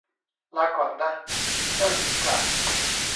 ลาก่อนนะ เจ้าหญิงกล่าว